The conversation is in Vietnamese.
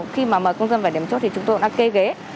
khi mà mời công dân vào điểm chốt thì chúng tôi đã kê ghế